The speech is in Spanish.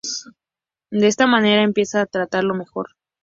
De esta manera, empieza a tratarlo mejor.